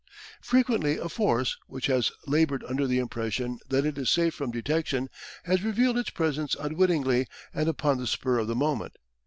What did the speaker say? Frequently a force, which has laboured under the impression that it is safe from detection, has revealed its presence unwittingly and upon the spur of the moment.